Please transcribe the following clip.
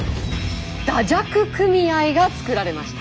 「だじゃく組合」が作られました。